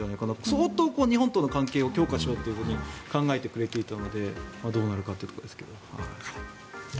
相当、日本との関係を強化したいと考えてくれていたのでどうなるかというところですけど。